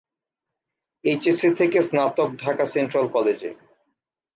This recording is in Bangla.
এইচএসসি থেকে স্নাতক ঢাকা সেন্ট্রাল কলেজে।